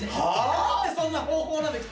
何でそんな方法なんだよ。